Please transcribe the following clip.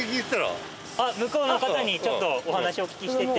向こうの方にちょっとお話お聞きしてて。